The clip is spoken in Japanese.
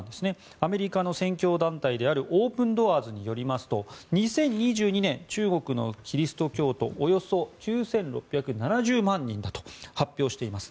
アメリカの宣教団体であるオープン・ドアーズによりますと２０２２年、中国のキリスト教徒およそ９６７０万人だと発表しています。